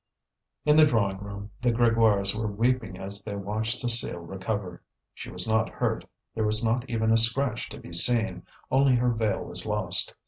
In the drawing room, the Grégoires were weeping as they watched Cécile recover. She was not hurt, there was not even a scratch to be seen, only her veil was lost.